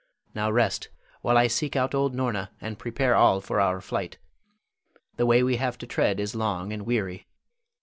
Now rest, while I seek out old Norna, and prepare all for our flight. The way we have to tread is long and weary.